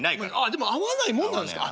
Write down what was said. でも会わないもんなんですね。